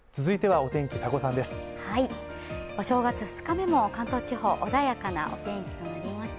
お正月２日目も関東地方穏やかな天気となりました。